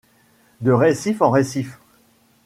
De récif en récif ;